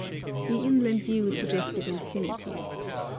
The inland view suggested infinity.